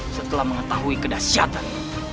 setelah mengetahui kedahsyatan